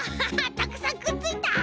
たくさんくっついた！